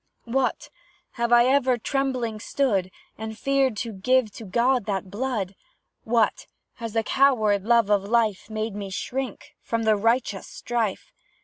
What! have I ever trembling stood, And feared to give to God that blood? What! has the coward love of life Made me shrink from the righteous strife?